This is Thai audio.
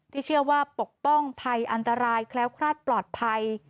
เชื่อว่าปกป้องภัยอันตรายแคล้วคลาดปลอดภัย